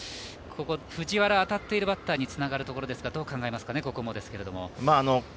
藤原、当たっているバッターにつながるところですけどどう考えますか。